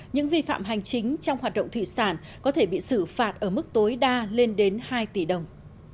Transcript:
những vi phạm hành chính trong hoạt động thủy sản có thể bị xử phạt ở mức tối đa lên đến hai tỷ đồng